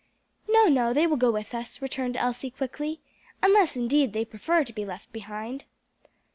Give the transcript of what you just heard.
"No, no, they will go with us," returned Elsie quickly, "unless indeed they prefer to be left behind."